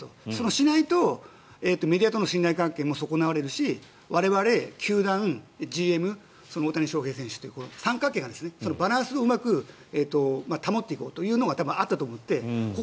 しないとメディアとの信頼関係も損なわれるし我々、球団、ＧＭ大谷選手という三角形のバランスをうまく保っていこうというのが多分あったと思うので。